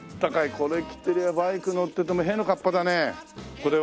これ着てればバイク乗っててもへのかっぱだねこれは。